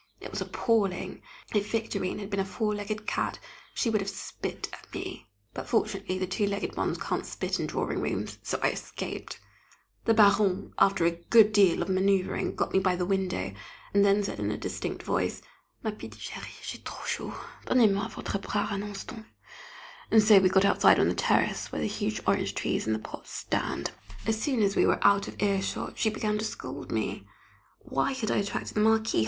It was appalling! If Victorine had been a four legged cat, she would have spit at me, but fortunately the two legged ones can't spit in drawing rooms, so I escaped. The Baronne, after a good deal of manoeuvring, got by me near the window, and then said in a distinct voice, "Ma petite chérie j'ai trop chaud, donnez moi votre bras un instant;" and so we got outside on the terrace, where the huge orange trees in pots stand. [Sidenote: A Lecture on Duty] As soon as we were out of earshot, she began to scold me. Why had I attracted the Marquis?